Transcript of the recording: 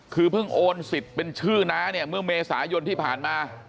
คือเพิ่งโอนสิทธิ์เป็นชื่อน้าเนี่ยเมื่อเมษายนที่ผ่านมา